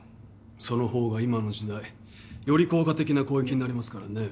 その方が今の時代より効果的な攻撃になりますからね。